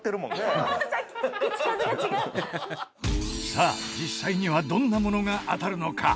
さあ実際にはどんなものが当たるのか？